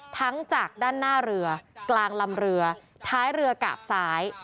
ทั้งจากด้านหน้าเรือกลางลำเรือท้ายเรือกาบซ้าย